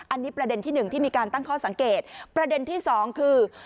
อันนี้ประเด็นที่หนึ่งที่มีการตั้งข้อสังเกตประเด็นที่สองคือ